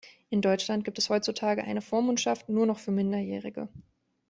In Deutschland gibt es heutzutage eine Vormundschaft nur noch für Minderjährige.